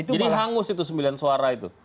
jadi hangus itu sembilan suara itu